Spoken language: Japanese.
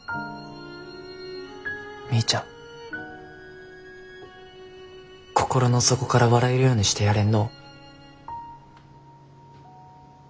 みーちゃん心の底から笑えるようにしてやれんの。